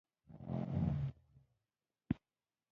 زه د دې ستونزې د حل لپاره ستاسو لارښوونو او مرستي ته اړتیا لرم